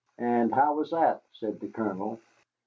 "And how was that?" said the Colonel.